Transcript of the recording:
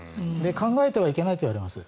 考えてはいけないといわれます。